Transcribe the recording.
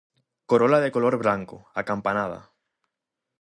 Corola de color blanco, acampanada.